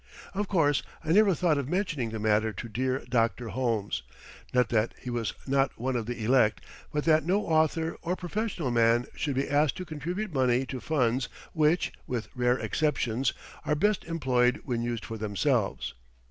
Of course I never thought of mentioning the matter to dear Dr. Holmes not that he was not one of the elect, but that no author or professional man should be asked to contribute money to funds which, with rare exceptions, are best employed when used for themselves.